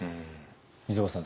溝端さん